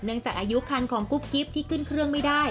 จากอายุคันของกุ๊บกิ๊บที่ขึ้นเครื่องไม่ได้